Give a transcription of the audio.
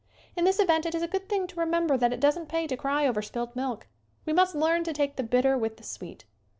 In this event it is a good thing to remem ber that it doesn't pay to cry over spilt milk. We must learn to take the bitter with the sweet.